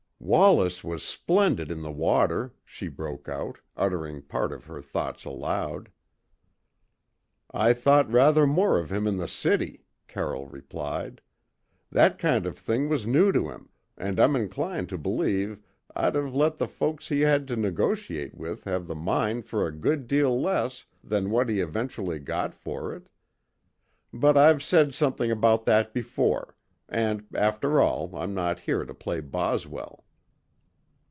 "Wallace was splendid in the water," she broke out, uttering part of her thoughts aloud. "I thought rather more of him in the city," Carroll replied. "That kind of thing was new to him, and I'm inclined to believe I'd have let the folks he had to negotiate with have the mine for a good deal less than what he eventually got for it. But I've said something about that before, and after all I'm not here to play Boswell."